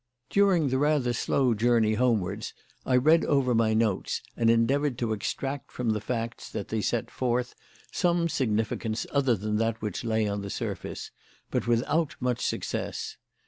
During the rather slow journey homewards I read over my notes and endeavoured to extract from the facts they set forth some significance other than that which lay on the surface, but without much success.